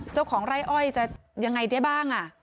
เจ้าของไร่อ้อยจะยังไงได้บ้าง